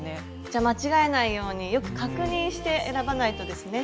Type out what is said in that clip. じゃ間違えないようによく確認して選ばないとですね。